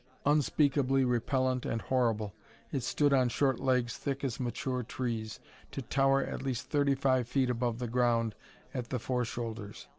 Unspeakably repellent and horrible, it stood on short legs thick as mature trees, to tower at least thirty five feet above the ground at the fore shoulders!